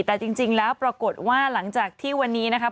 แต่จริงแล้วปรากฏว่าหลังจากที่วันนี้นะครับ